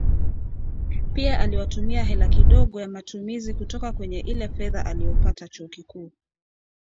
pia aliwatumia hela kidogo ya matumizi kutoka kwenye ile fedha aliyopata chuo kikuu